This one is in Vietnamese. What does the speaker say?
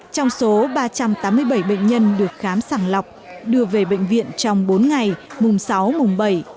trong số ba trăm tám mươi bảy bệnh nhân được khám sàng lọc đưa về bệnh viện trong bốn ngày mùng sáu mùng bảy